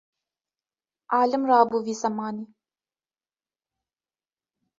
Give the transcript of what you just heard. Alim rabû vî zemanî